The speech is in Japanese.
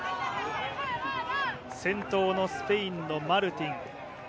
先頭のスペインのマルティン。